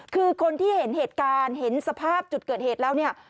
คือคนที่เห็นเหตุการณ์เห็นสภาพจุดเกิดเหตุแล้วเนี่ย